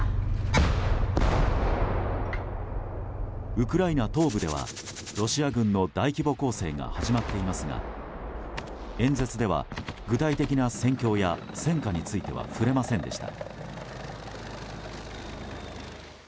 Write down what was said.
ウクライナ東部ではロシア軍の大規模攻勢が始まっていますが演説では具体的な戦況や戦果については触れませんでした。